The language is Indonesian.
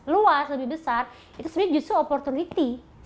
luas lebih besar itu sebenarnya justru opportunity